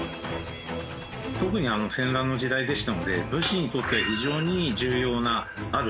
特に戦乱の時代でしたので武士にとって非常に重要なあるものですね。